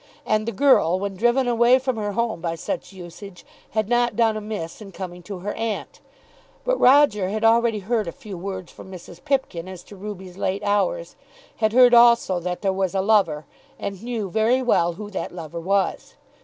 And the girl, when driven away from her home by such usage, had not done amiss in coming to her aunt. But Roger had already heard a few words from Mrs. Pipkin as to Ruby's late hours, had heard also that there was a lover, and knew very well who that lover was.